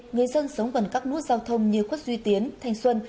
người dân sống gần các nút giao thông như khuất duy tiến thanh xuân